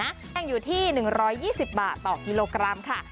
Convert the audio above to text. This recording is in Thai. ยังอยู่ที่๑๒๐บาทต่อกิโลกรัมค่ะ